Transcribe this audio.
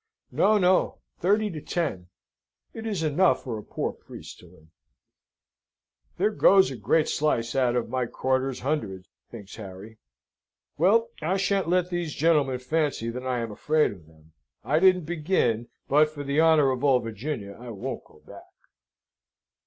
"No, no. Thirty to ten. It is enough for a poor priest to win." "Here goes a great slice out of my quarter's hundred," thinks Harry. "Well, I shan't let these Englishmen fancy that I am afraid of them. I didn't begin, but for the honour of Old Virginia I won't go back."